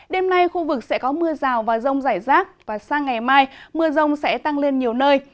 đêm nay khu vực sẽ có mưa rào và rông rải rác và sang ngày mai mưa rông sẽ tăng lên nhiều nơi